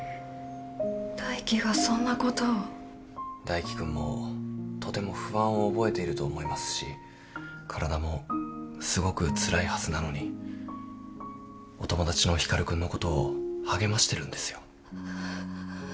大輝君もとても不安を覚えていると思いますし体もすごくつらいはずなのにお友達の光君のことを励ましてるんですよ。